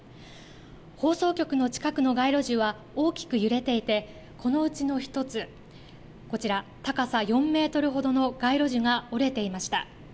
放送局の近くの街路樹は大きく揺れていて、このうちの１つ、こちら、高さ４メートルほどの街路樹が折れていました。